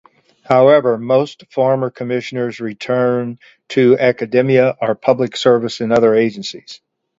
However, most former commissioners return to academia or public service in other agencies.